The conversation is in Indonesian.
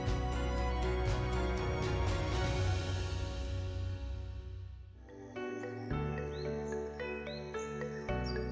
bagaimana cara menjual produknya